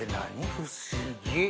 不思議！